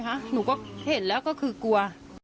หนูก็เห็นแล้วก็คือกลัว